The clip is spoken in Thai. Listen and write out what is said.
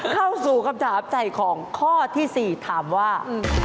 เข้าสู่คำถามใจของข้อที่๔ถามว่า